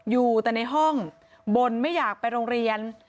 อยู่แต่ในห้องบ่นไม่อยากไปโรงเรียน